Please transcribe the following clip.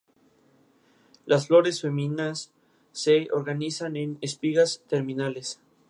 A pesar de los problemas los ministros plenipotenciarios reanudaron las relaciones entre estas naciones.